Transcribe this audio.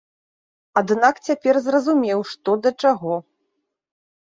Аднак цяпер зразумеў што да чаго.